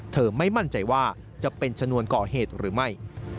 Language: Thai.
ไม่มั่นใจว่าจะเป็นชนวนก่อเหตุหรือไม่